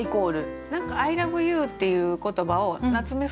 何か「アイラブユー」っていう言葉を夏目